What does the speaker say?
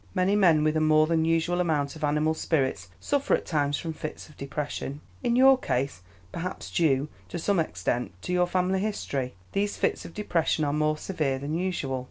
Many men with a more than usual amount of animal spirits suffer at times from fits of depression. In your case, perhaps due, to some extent, to your family history, these fits of depression are more severe than usual.